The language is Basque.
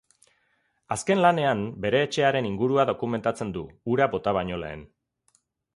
Azken lanean, bere etxearen ingurua dokumentatzen du, hura bota baino lehen.